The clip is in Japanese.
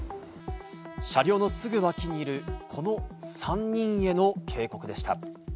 車両のすぐ脇にいる、この３人への警告でした。